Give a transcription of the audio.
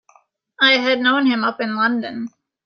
I had known him up in London.